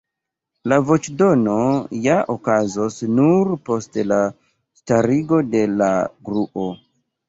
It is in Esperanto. La voĉdono ja okazos nur post la starigo de la gruo.